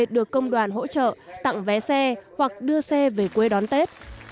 được công đoàn hỗ trợ tặng vé xe hoặc đưa xe về quê đón tết